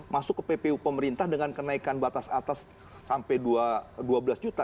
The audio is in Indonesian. masuk ke ppu pemerintah dengan kenaikan batas atas sampai dua belas juta